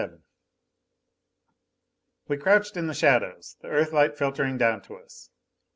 XXVII We crouched in the shadows, the Earthlight filtering down to us.